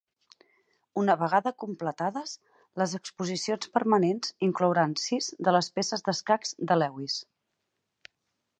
Una vegada completades, les exposicions permanents inclouran sis de les peces d'escacs de Lewis.